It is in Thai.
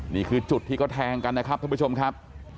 นี่คือจุดที่เขาแทงกันนะครับท่านผู้ชมครับ